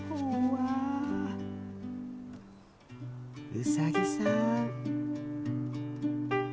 うさぎさん。